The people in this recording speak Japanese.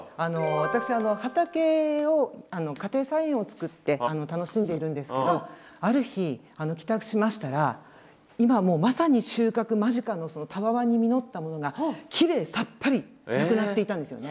私畑を家庭菜園をつくって楽しんでいるんですけどある日帰宅しましたら今まさに収穫間近のたわわに実ったものがきれいさっぱり何ですか？